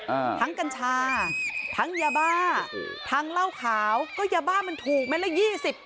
อ่าทั้งกัญชาทั้งยาบ้าอืมทั้งเหล้าขาวก็ยาบ้ามันถูกเม็ดละยี่สิบ